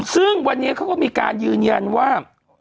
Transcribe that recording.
ซึ่งวันนี้เขาก็มีการยืนยันว่า